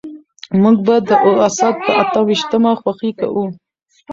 موږ به د اسد په اته ويشتمه خوښي کوو.